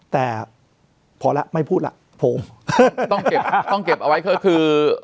แต่พอแล้วไม่พูดล่ะโพงต้องเก็บเอาไว้คือ